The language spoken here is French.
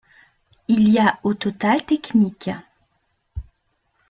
Il y a au total techniques.